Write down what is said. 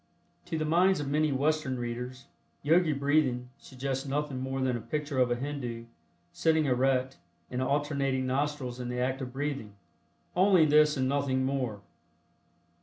To the minds of many Western readers, "Yogi Breathing" suggests nothing more than a picture of a Hindu, sitting erect, and alternating nostrils in the act of breathing. "Only this and nothing more."